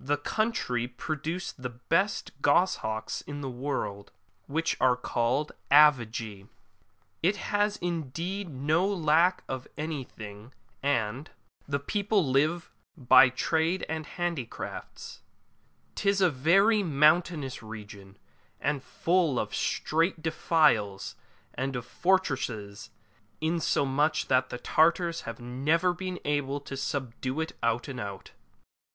The country produces the best goshawks in the world [which are called Am^ iy It has indeed no lack of anything, and VOL. I, 52 MARCO POLO Book I. the people live by trade and handicrafts. 'Tis a very mountainous region, and full of strait defiles and of fortresses, insomuch that the Tartars have never been able to subdue it out and out.